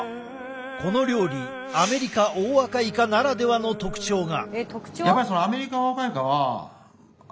この料理アメリカオオアカイカならではの特徴が。